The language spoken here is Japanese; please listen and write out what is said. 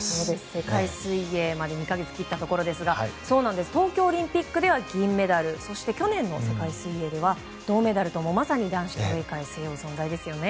世界水泳まで２か月を切ったところですが東京オリンピックでは銀メダルそして去年の世界水泳では銅メダルとまさに男子の競泳界を背負う存在ですよね。